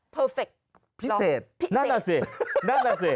เพอร์เฟคพิเศษนั่นอ่ะสิ